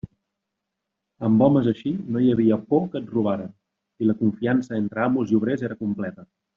Amb homes així no hi havia por que et robaren, i la confiança entre amos i obrers era completa.